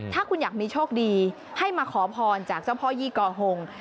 ถ้าคุณอยากมีโชคดีให้มาขอพรจากเจ้าพ่อยี่กอหง